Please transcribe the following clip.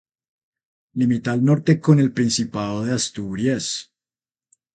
Limita al norte con el Principado de Asturias.